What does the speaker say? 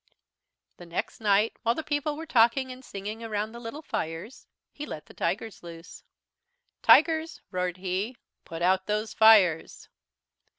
"The next night, while the people were talking and singing around the little fires, he let the tigers loose. "'Tigers,' roared he, 'put out those fires.'